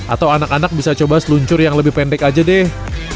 atau anak anak bisa coba seluncur yang lebih pendek aja deh